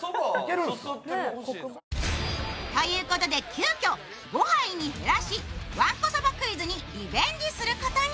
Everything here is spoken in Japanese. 急きょ５杯に減らしわんこそばクイズにリベンジすることに。